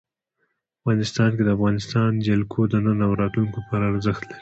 افغانستان کې د افغانستان جلکو د نن او راتلونکي لپاره ارزښت لري.